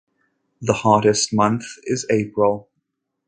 The hottest month is April.